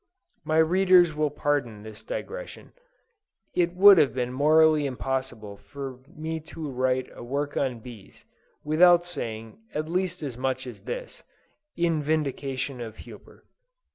My Readers will pardon this digression. It would have been morally impossible for me to write a work on bees, without saying at least as much as this, in vindication of Huber.